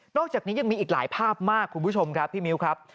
อกจากนี้ยังมีอีกหลายภาพมากคุณผู้ชมครับพี่มิ้วครับ